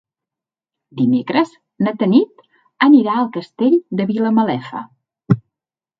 Dimecres na Tanit anirà al Castell de Vilamalefa.